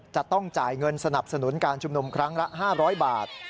จะต้องจ่ายเงินสนับสนุนการชุมนุมครั้งละ๕๐๐บาท